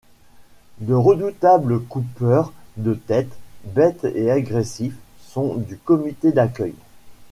De redoutables coupeurs de têtes, bêtes et agressifs, sont du comité d'accueil.